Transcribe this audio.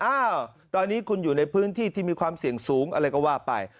อ้าวตอนนี้คุณอยู่ในพื้นที่ที่มีความเสี่ยงสูงอะไรก็ว่าไป